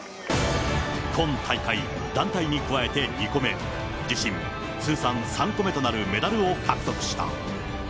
今大会、団体に加えて２個目、自身通算３個目となるメダルを獲得した。